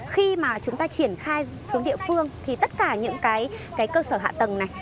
khi mà chúng ta triển khai xuống địa phương thì tất cả những cái cơ sở hạ tầng này